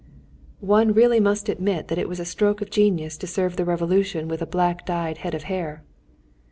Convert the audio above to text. One really must admit that it was a stroke of genius to serve the Revolution with a black dyed head of hair!